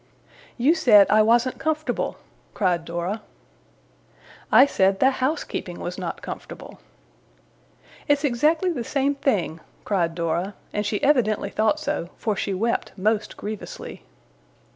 'You said, I wasn't comfortable!' cried Dora. 'I said the housekeeping was not comfortable!' 'It's exactly the same thing!' cried Dora. And she evidently thought so, for she wept most grievously.